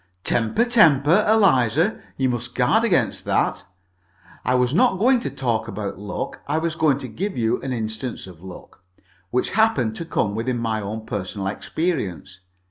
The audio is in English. "Temper, temper, Eliza! You must guard against that. I was not going to talk about luck. I was going to give you an instance of luck, which happened to come within my own personal experience.